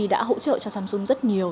đã hỗ trợ cho samsung rất nhiều